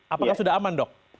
apakah sudah aman